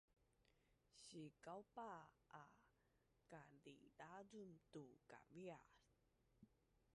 Sikaupa a kadidazun tu kaviaz